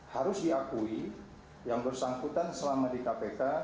harus diakui yang bersangkutan selama di kpk